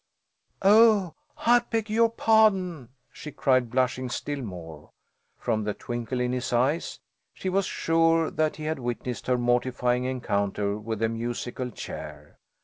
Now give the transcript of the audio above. "Oh, I beg your pahdon!" she cried, blushing still more. From the twinkle in his eye she was sure that he had witnessed her mortifying encounter with the musical chair.